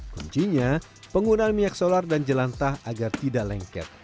kuncinya penggunaan minyak solar dan jelantah agar tidak lengket